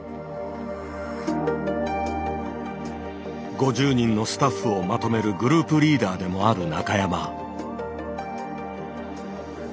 ５０人のスタッフをまとめるグループリーダーでもある中山。